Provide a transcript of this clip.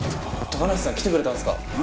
高梨さん来てくれたんですか！